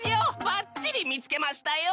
ばっちり見つけましたよ。